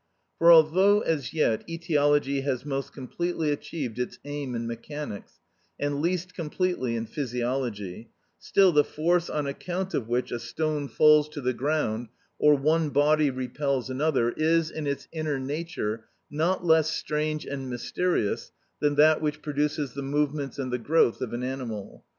For although as yet etiology has most completely achieved its aim in mechanics, and least completely in physiology, still the force on account of which a stone falls to the ground or one body repels another is, in its inner nature, not less strange and mysterious than that which produces the movements and the growth of an animal.